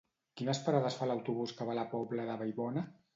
Quines parades fa l'autobús que va a la Pobla de Vallbona?